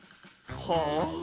はあ？